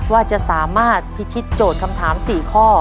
ว่าจะสามารถพิชิตโจทย์คำถาม๔ข้อ